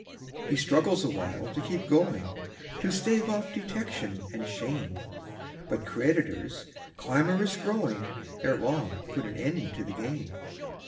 He struggles awhile to keep going, To stave off detection and shame; But creditors, clamorous growing, Ere long put an end to the game.